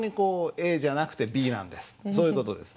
そういう事です。